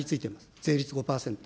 税率５％。